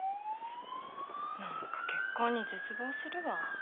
何か結婚に絶望するわ。